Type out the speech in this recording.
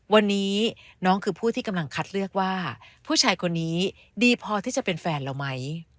วันนี้น้องคือผู้ที่กำลังคัดเลือกว่าผู้ชายคนนี้ดีพอที่จะเป็นแฟนเราไหม